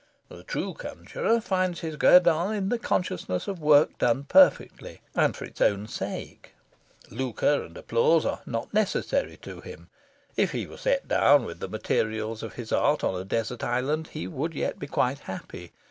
The true conjurer finds his guerdon in the consciousness of work done perfectly and for its own sake. Lucre and applause are not necessary to him. If he were set down, with the materials of his art, on a desert island, he would yet be quite happy.